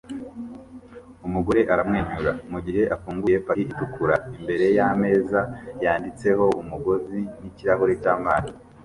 Umugore aramwenyura mugihe afunguye paki itukura imbere yameza yanditseho umugozi nikirahure cyamazi